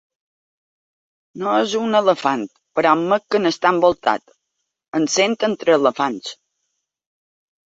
No és un elefant, però admet que n’està envoltat: Em sent entre elefants.